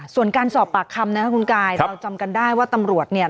ส่วนการสอบปากคำนะครับคุณกายเราจำกันได้ว่าตำรวจเนี่ย